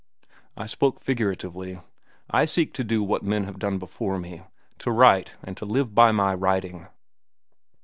"I spoke figuratively. I seek to do what men have done before me—to write and to live by my writing."